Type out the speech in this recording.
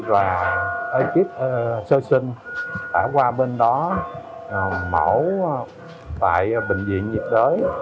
và ekip sơ sinh đã qua bên đó mẫu tại bệnh viện nhiệt đới